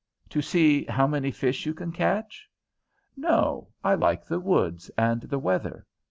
"To see how many fish you can catch?" "No, I like the woods and the weather.